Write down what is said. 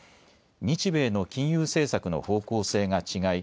日米の金融政策の方向性が違い